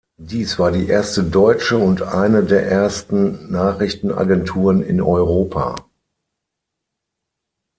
Dies war die erste deutsche und eine der ersten Nachrichtenagenturen in Europa.